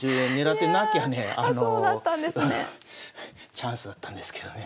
チャンスだったんですけどね。